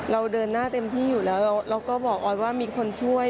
เราเดินหน้าเต็มที่อยู่แล้วเราก็บอกออยว่ามีคนช่วย